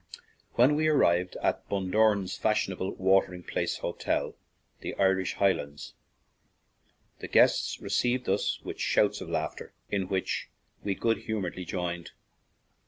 When we arrived at Bundoran's fashionable watering place hotel, The Irish Highlands, the guests received us with shouts of laughter, in which we good humoredly joined.